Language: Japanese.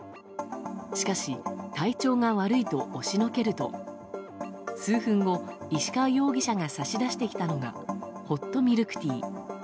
しかし体調が悪いと押しのけると数分後、石川容疑者が差し出してきたのがホットミルクティー。